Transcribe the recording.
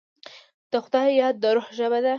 د خدای یاد، د روح ژبه ده.